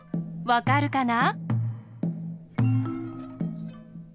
わかるかな？